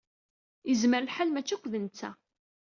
Yezmer lḥal mačči akk d netta.